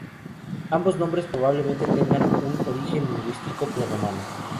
Ambos nombres probablemente tengan un origen lingüístico prerromano.